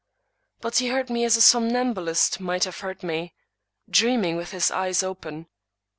But he heard me as a somnambulist might have heard me — dream ing with his eyes open.